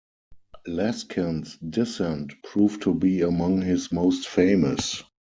Laskin's dissent proved to be among his most famous.